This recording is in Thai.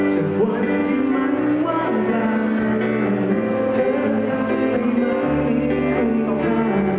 จากวันที่มันว่างร้ายเธอทำได้ไหมคุณค่ะ